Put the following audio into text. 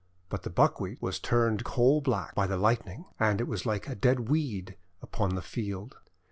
But the Buckwheat was turned coal black by the Lightning, and it was like a dead weed upon the field.